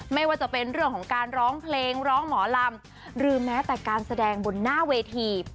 ไม่ว่าจะเป็นเรื่องของการร้องเพลงร้องหมอลำหรือแม้แต่การแสดงบนหน้าเวที